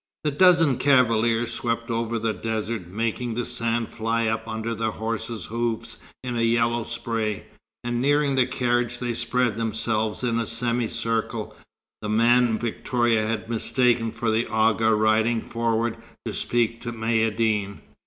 The dozen cavaliers swept over the desert, making the sand fly up under the horses' hoofs in a yellow spray; and nearing the carriage they spread themselves in a semi circle, the man Victoria had mistaken for the Agha riding forward to speak to Maïeddine.